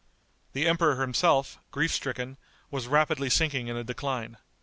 The emperor himself, grief stricken, was rapidly sinking in a decline.